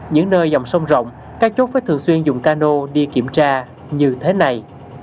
những nơi dòng sông rộng các chốt phải thường xuyên dùng cano đi kiểm tra như thế này